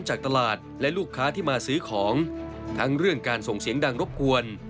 จากตลาดและลูกค้าที่มาซื้อของทั้งเรื่องการส่งเสียงดังรบกวน